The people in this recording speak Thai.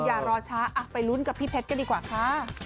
อย่ารอช้าไปลุ้นกับพี่เพชรกันดีกว่าค่ะ